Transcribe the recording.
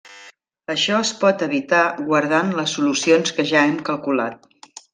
Això es pot evitar guardant les solucions que ja hem calculat.